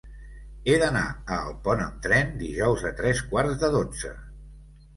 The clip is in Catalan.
He d'anar a Alpont amb tren dijous a tres quarts de dotze.